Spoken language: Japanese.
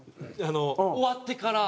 終わってから。